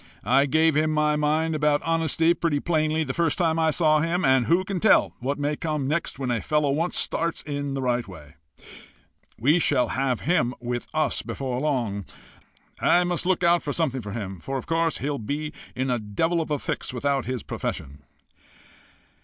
I gave him my mind about honesty pretty plainly the first time I saw him. And who can tell what may come next when a fellow once starts in the right way! We shall have him with us before long. I must look out for something for him, for of course he'll be in a devil of a fix without his profession."